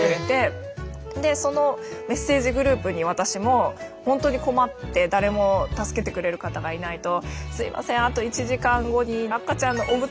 でそのメッセージグループに私もほんとに困って誰も助けてくれる方がいないと「すみませんあと１時間後に」。